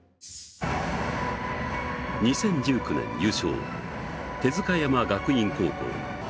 ２０１９年優勝帝塚山学院高校。